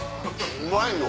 うまいよ。